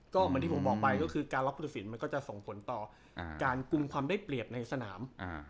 ก็เหมือนที่ผมบอกไปก็คือการรับผู้ตัดสินมันก็จะส่งผลต่อการกลุ่มความได้เปรียบในสนาม